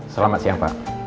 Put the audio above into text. selamat siang pak